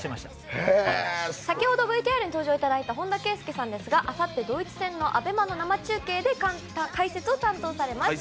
先ほどＶＴＲに登場いただいた本田圭佑さんですがあさって、ドイツ戦のＡＢＥＭＡの生中継で解説を担当されます。